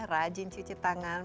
rajin cuci tangan